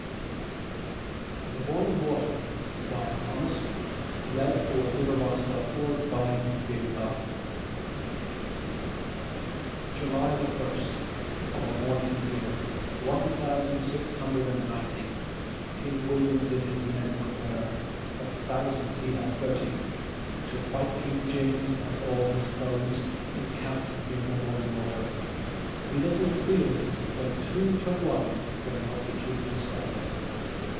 rish Verse. 1922. By Anonymous 42. The Boyne Water JULY the first, of a morning clear, one thousand six hundred and ninety, King William did his men prepare—of thousands he had thirty—To fight King James and all his foes, encamped near the Boyne Water; He little feared, though two to one, their multitude to scatter.